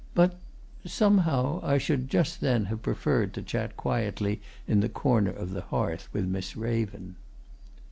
But somehow I should just then have preferred to chat quietly in the corner of the hearth with Miss Raven.